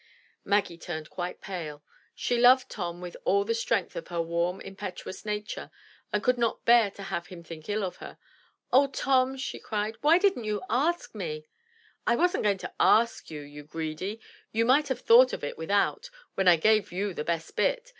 Maggie turned quite pale. She loved Tom with all the strength of her warm, impetuous nature and could not bear to have him think ill of her. Oh, Tom," she cried, ''why didn't you ask me? " "I wasn't going to ask you, you greedy. You might have thought of it without, when I gave you the best bit."